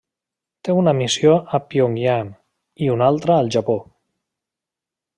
Té una missió a Pyongyang i una altra al Japó.